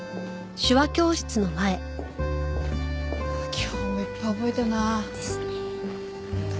今日もいっぱい覚えたな。ですね。